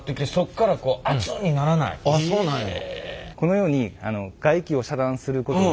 あっそうなんや。